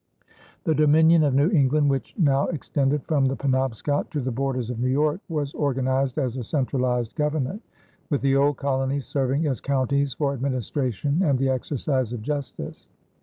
The Dominion of New England, which now extended from the Penobscot to the borders of New York, was organized as a centralized government, with the old colonies serving as counties for administration and the exercise of justice.